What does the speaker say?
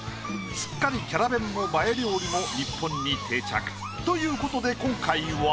すっかりキャラ弁も映え料理も日本に定着。ということで今回は。